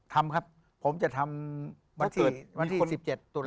ทำครับผมจะทำวันที่๑๗ตุลาคม